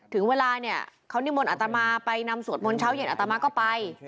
ถึงเวลาเนี่ยเขานิมนต์อัตมาไปนำสวดมนต์เช้าเย็นอัตมาก็ไป